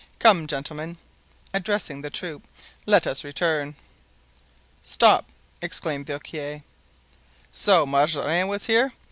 Come, gentlemen," addressing the troop, "let us return." "Stop," exclaimed Villequier, "so Mazarin was here!